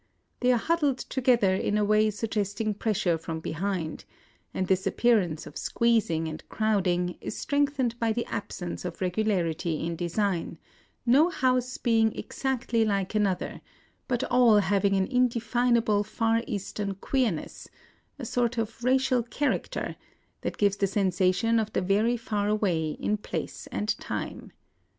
They are huddled together in a way suggesting pressure from behind ; and this appearance of squeezing and crowding is strengthened by the absence of regularity in design, — no house being exactly like another, but all having an indefinable Far Eastern queerness, — a sort of racial character, — that gives the sensation of the very far away in place and time.